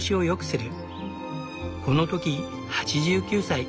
この時８９歳。